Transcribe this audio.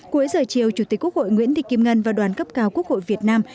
cuối giờ chiều chủ tịch quốc hội nguyễn thị kim ngân và đoàn cấp cao quốc hội việt nam